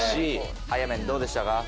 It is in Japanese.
あやめんどうでしたか？